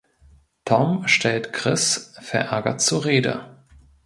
Tom stellt Chris verärgert zur Rede.